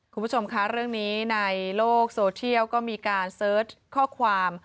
คุณผู้ชมคะเรื่องนี้ในโลกโซเทียลก็มีการเสิร์ชข้อความ